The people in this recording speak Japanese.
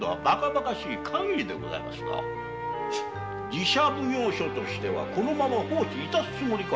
寺社奉行所としてはこのまま放置いたすつもりか？